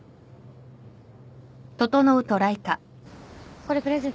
これプレゼント。